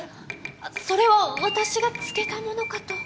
それは私が漬けたものかと。